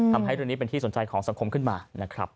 ทำให้เรื่องนี้เป็นที่สนใจของสังคมขึ้นมานะครับ